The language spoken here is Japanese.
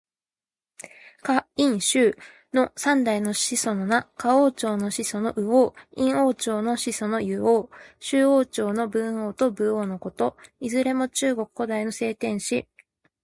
夏、殷、周の三代の始祖の名。夏王朝の始祖の禹王。殷王朝の始祖の湯王。周王朝の文王と武王のこと。いずれも中国古代の聖天子。